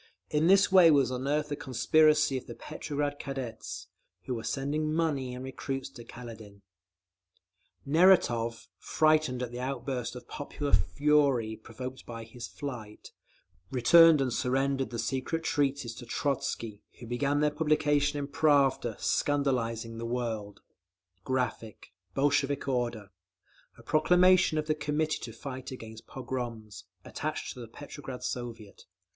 In this way was unearthed the conspiracy of the Petrograd Cadets, who were sending money and recruits to Kaledin…. Neratov, frightened at the outburst of popular fury provoked by his flight, returned and surrendered the Secret Treaties to Trotzky, who began their publication in Pravda, scandalising the world…. [Graphic, page 279: Proclamation] Bolshevik order. A proclamation of the Committee to Fight against Pogroms, attached to the Petrograd Soviet.